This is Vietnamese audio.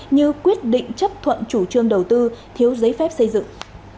như quyết định chấp thuận chủ trương đầu tư thiếu giấy phép xây dựng